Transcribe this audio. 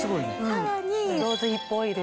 さらに。